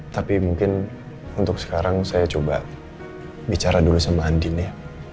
tapi mungkin untuk sekarang saya coba bicara dulu sama andin ya